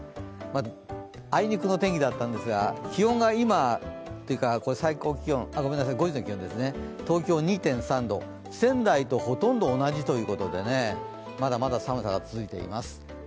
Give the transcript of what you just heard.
あいにくの天気だったんですが今日５時の気温、東京２．３度仙台とほとんど同じということでまだまだ寒さが続いています。